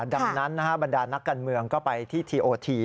ดังนั้นบรรดานักการเมืองก็ไปที่ทีโอที